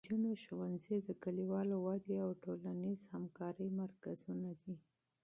د نجونو ښوونځي د کلیوالو ودې او ټولنیزې همکارۍ مرکزونه دي.